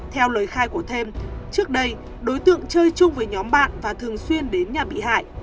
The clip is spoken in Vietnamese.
theo lời khai của thêm trước đây đối tượng chơi chung với nhóm bạn và thường xuyên đến nhà bị hại